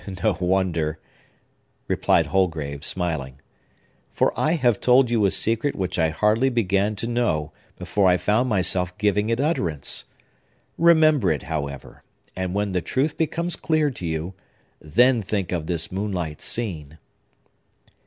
"No wonder," replied Holgrave, smiling; "for I have told you a secret which I hardly began to know before I found myself giving it utterance. Remember it, however; and when the truth becomes clear to you, then think of this moonlight scene!"